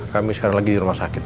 kami sekarang lagi di rumah sakit